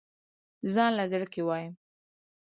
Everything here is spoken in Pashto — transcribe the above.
ځانله زړۀ کښې وايم